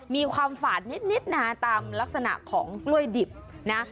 มีความฝาดนิดนะตามลักษณะของกล้วยดิบนะ